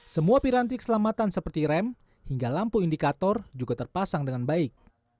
semua piranti keselamatan seperti rem hingga lampu indikator juga terpasang dengan baik